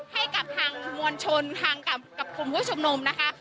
ให้กับทางมวลชนทางกับกลุ่มผู้ชมนุมนะคะ